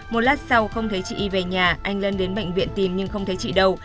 một lát sau không thấy chị y về nhà anh lân đến bệnh viện tìm nhưng không thấy chị đâu